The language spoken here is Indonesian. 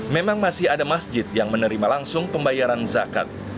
memang masih ada masjid yang menerima langsung pembayaran zakat